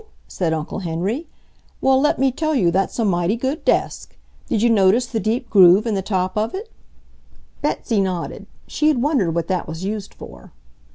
said Uncle Henry. "Well, let me tell you that's a mighty good desk! Did you notice the deep groove in the top of it?" Betsy nodded. She had wondered what that was used for.